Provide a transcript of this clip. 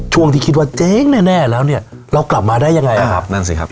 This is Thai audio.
ช่วงที่คิดว่าเจ๊งแน่แน่แล้วเนี่ยเรากลับมาได้ยังไงนะครับนั่นสิครับ